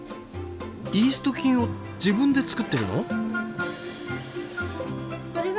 イースト菌を自分で作ってるの？